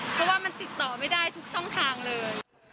เพราะว่ามันติดต่อไม่ได้ทุกช่องทางเลย